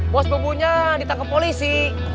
bos bebunya ditangkap polisi